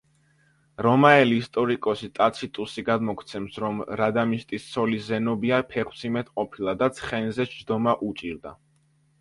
რომაელი ისტორიკოსი ტაციტუსი გადმოგვცემს, რომ რადამისტის ცოლი ზენობია ფეხმძიმედ ყოფილა და ცხენზე ჯდომა უჭირდა.